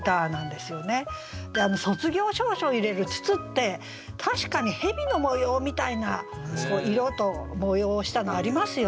卒業証書を入れる筒って確かに蛇の模様みたいな色と模様をしたのありますよね。